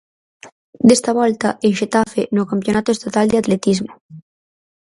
Desta volta, en Xetafe, no Campionato estatal de atletismo.